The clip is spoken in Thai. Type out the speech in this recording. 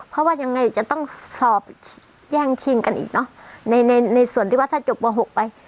เพราะว่ายังไงจะต้องสอบแย่งชิงกันอีกเนอะในในส่วนที่ว่าถ้าจบม๖ไป